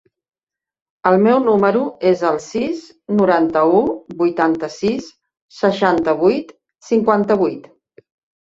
El meu número es el sis, noranta-u, vuitanta-sis, seixanta-vuit, cinquanta-vuit.